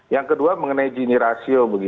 yang kedua mengenai gini rasio